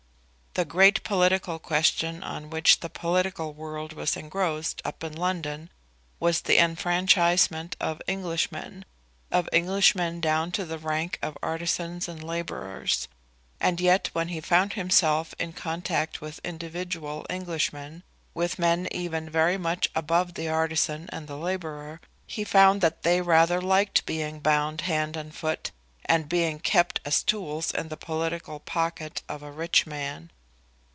The great political question on which the political world was engrossed up in London was the enfranchisement of Englishmen, of Englishmen down to the rank of artisans and labourers; and yet when he found himself in contact with individual Englishmen, with men even very much above the artisan and the labourer, he found that they rather liked being bound hand and foot, and being kept as tools in the political pocket of a rich man.